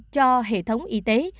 cho hệ thống y tế